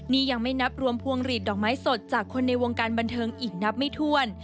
นี่ยังไม่นับรวมพวงหลีดดอกไม้สดจากคนในวงการบันเทิงอีกนับไม่ถ้วน